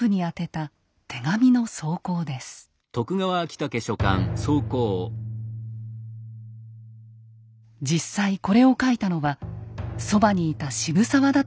実際これを書いたのはそばにいた渋沢だと考えられています。